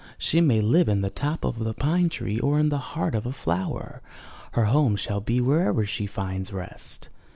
She may live in the top of the pine tree or in the heart of a flower. Her home shall be wherever she finds rest."